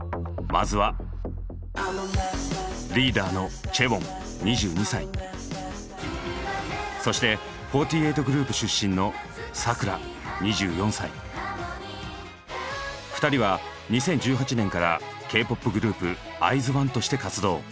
まずはリーダーのそして４８グループ出身の２人は２０１８年からＫ−ＰＯＰグループＩＺＯＮＥとして活動。